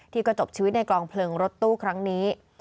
ที่ก็จบชีวิตในกลองเพลิงรถตู้ครั้งนี้